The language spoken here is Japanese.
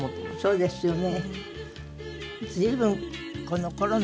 そうですよね。